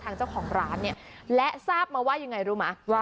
ทางเจ้าของร้านเนี่ยและทราบมาว่ายังไงรู้ไหม